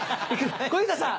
小遊三さん！